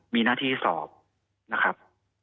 มีหน้าที่สอบนะครับ